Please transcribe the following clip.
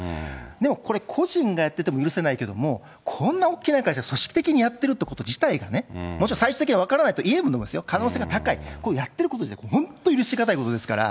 でもこれ、個人がやってても許せないけれども、こんな大きな会社が組織的にやってるってこと自体がね、もちろん最終的には分からないといえるけど、可能性は高い、これやってること、本当に許し難いことですから。